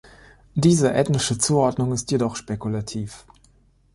Diese ethnische Zuordnung ist jedoch spekulativ.